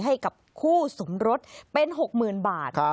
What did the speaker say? ให้กับคู่สมรสเป็น๖๐๐๐บาท